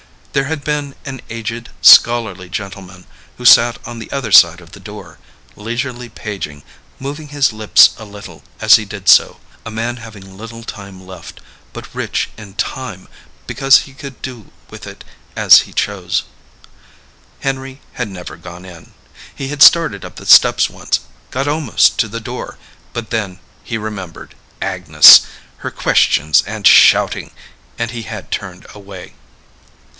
There had been an aged, scholarly gentleman who sat on the other side of the door, leisurely paging, moving his lips a little as he did so, a man having little time left, but rich in time because he could do with it as he chose. Henry had never gone in. He had started up the steps once, got almost to the door, but then he remembered Agnes, her questions and shouting, and he had turned away.